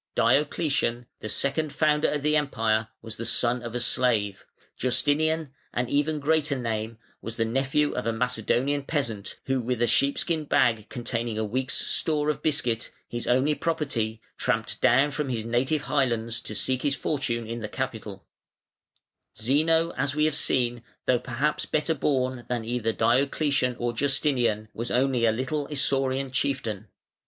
Diocletian, the second founder of the Empire, was the son of a slave; Justinian an even greater name was the nephew of a Macedonian peasant, who with a sheepskin bag containing a week's store of biscuit, his only property, tramped down from his native highlands to seek his fortune in the capital Zeno, as we have seen, though perhaps better born than either Diocletian or Justinian, was only a little Isaurian chieftain.